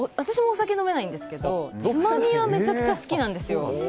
お酒飲めないんですけどつまみはめちゃくちゃ好きなんです。